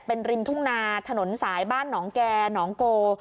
เป็นริมทุ่งนาถนนสายบ้านหนองแก่หนองโก